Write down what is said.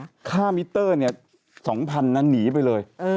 แล้วก็ค่ามิเตอร์๒๐๐๐บาทนั้นหนีไปเลย